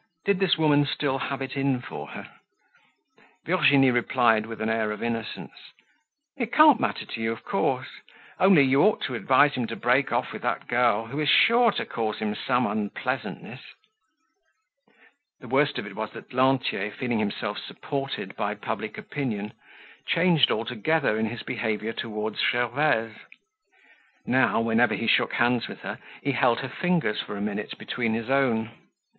Did this woman still have it in for her? Virginie replied with an air of innocence: "It can't matter to you, of course. Only, you ought to advise him to break off with that girl, who is sure to cause him some unpleasantness." The worst of it was that Lantier, feeling himself supported by public opinion, changed altogether in his behavior towards Gervaise. Now, whenever he shook hands with her, he held her fingers for a minute between his own.